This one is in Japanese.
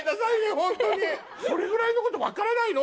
ホントにそれぐらいのことわからないの？